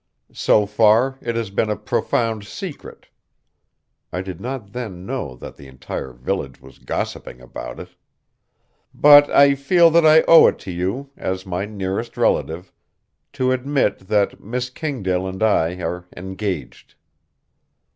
So far it has been a profound secret" I did not then know that the entire village was gossiping about it "but I feel that I owe it to you, as my nearest relative, to admit that Miss Kinglake and I are engaged."